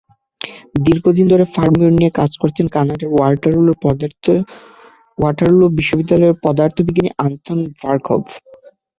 দীর্ঘদিন ধরে ফার্মিয়ন নিয়ে কাজ করছেন কানাডার ওয়াটারলু বিশ্ববিদ্যালয়ের পদার্থবিজ্ঞানী আন্তন ভার্খব।